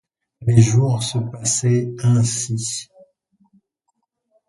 Les jours se passaient ainsi.